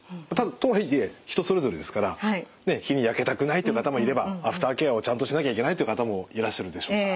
とはいえ人それぞれですから日に焼けたくないという方もいればアフターケアをちゃんとしなきゃいけないという方もいらっしゃるでしょうから。